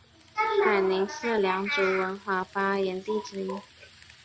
海宁是良渚文化发源地之一。